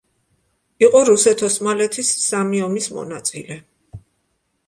იყო რუსეთ-ოსმალეთის სამი ომის მონაწილე.